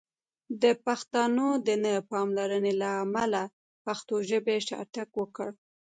د پښتنو د نه پاملرنې له امله پښتو ژبې شاتګ وکړ!